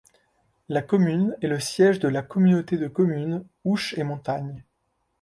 La commune est le siège de la communauté de communes Ouche et Montagne.